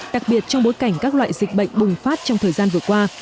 đặc biệt trong bối cảnh các loại dịch bệnh bùng phát trong thời gian vừa qua